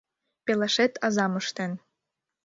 «Пелашет азам ыштен